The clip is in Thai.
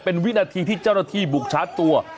เป็นวินาทีที่เจ้าหน้าที่บุกชาร์จตัว